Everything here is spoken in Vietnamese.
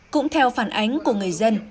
cũng theo phản ánh của người dân